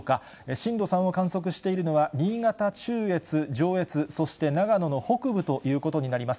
震度３を観測しているのは、新潟中越、上越、そして長野の北部ということになります。